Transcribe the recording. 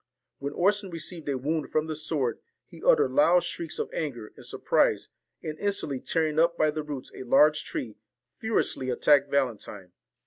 When Orson received a wound from the sword, he uttered loud shrieks of anger and sur prise, and instantly tearing up by the roots a large tree, furiously attacked Valentine.